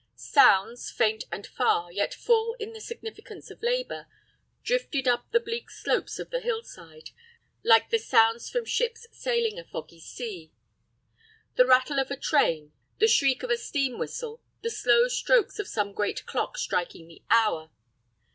Sounds, faint and far, yet full of the significance of labor, drifted up the bleak slopes of the hillside, like the sounds from ships sailing a foggy sea. The rattle of a train, the shriek of a steam whistle, the slow strokes of some great clock striking the hour.